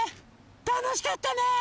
たのしかったね。